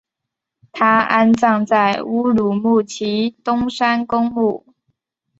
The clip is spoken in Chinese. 他安葬在乌鲁木齐东山公墓。